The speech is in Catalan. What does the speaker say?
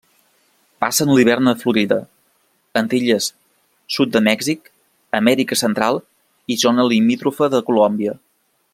Passen l'hivern a Florida, Antilles, sud de Mèxic, Amèrica Central i zona limítrofa de Colòmbia.